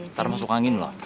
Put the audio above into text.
ntar masuk angin loh